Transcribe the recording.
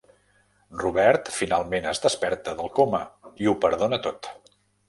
Robert finalment es desperta del coma i ho perdona tot.